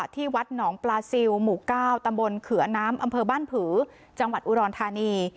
ที่วัดหนองปลาซิลหมู่๙ตำบลเขือน้ำอำเภอบ้านผือจังหวัดอุดรธานี